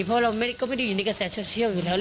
เพราะเราก็ไม่ได้อยู่ในกระแสโซเชียลอยู่แล้ว